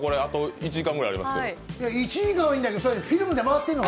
１時間はいいんだけどフィルムで回ってんのか？